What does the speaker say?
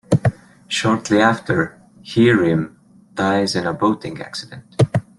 Shortly after, Hye-rim dies in a boating accident.